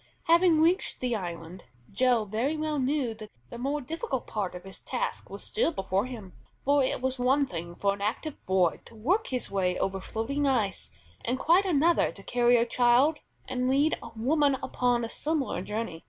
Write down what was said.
Having reached the island, Joe very well knew that the more difficult part of his task was still before him, for it was one thing for an active boy to work his way over floating ice, and quite another to carry a child and lead a woman upon a similar journey.